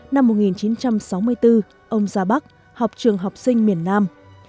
năm một nghìn chín trăm sáu mươi bốn ông ra bắc học trường học sinh miền nam